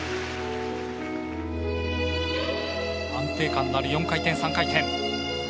安定感のある４回転３回転。